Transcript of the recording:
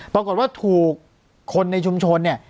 ปรากฏว่าถูกคนในชุมชนเนี่ย